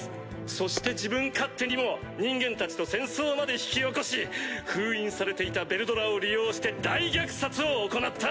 そして自分勝手にも人間たちと戦争まで引き起こし封印されていたヴェルドラを利用して大虐殺を行った！